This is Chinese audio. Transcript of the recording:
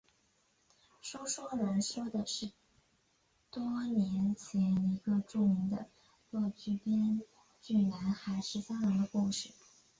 说书人说的是多年前一个著名的粤剧编剧南海十三郎的故事。